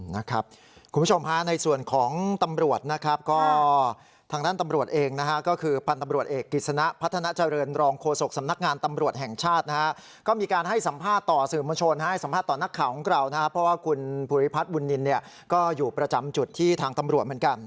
คุณผู้ชมฮะในส่วนของตำรวจนะครับก็ทางด้านตำรวจเองนะฮะก็คือพันธุ์ตำรวจเอกกิจสนะพัฒนาเจริญรองโฆษกสำนักงานตำรวจแห่งชาตินะฮะก็มีการให้สัมภาษณ์ต่อสื่อมวลชนให้สัมภาษณ์ต่อนักข่าวของเรานะครับเพราะว่าคุณภูริพัฒน์บุญนินเนี่ยก็อยู่ประจำจุดที่ทางตำรวจเหมือนกัน